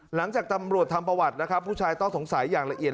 หลังจากตำรวจทำประวัตินะครับผู้ชายต้องสงสัยอย่างละเอียด